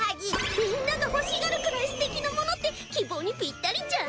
みんなが欲しがるくらいすてきなものって希望にピッタリじゃん？